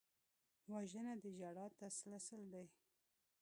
وژنه د ژړا تسلسل دی